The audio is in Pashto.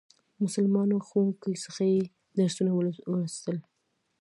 مسلمانو ښوونکو څخه یې درسونه ولوستل.